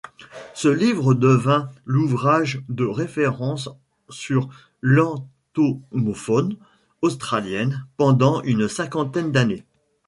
Ce livre devint l'ouvrage de référence sur l'entomofaune australienne pendant une cinquantaine d'années.